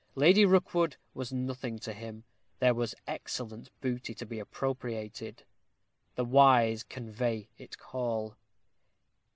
Lady Rookwood was nothing to him; there was excellent booty to be appropriated The wise convey it call.